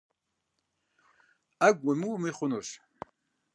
Ӏэгу уемыуэми хъунущ.